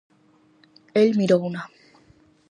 El mirouna.